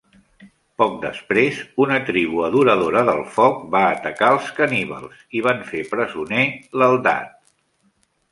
Poc després, una tribu adoradora del foc va atacar els caníbals i van fer presoner l'Eldad.